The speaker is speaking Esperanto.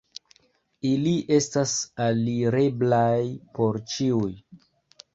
Ili estas alireblaj por ĉiuj.